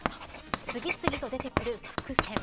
次々と出てくる伏線。